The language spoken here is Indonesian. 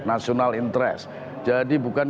nasional interest jadi bukan